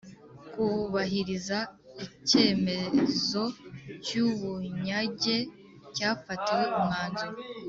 kubahiriza icyemezo cy ubunyage cyafatiwe umwanzuro